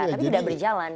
tapi sudah berjalan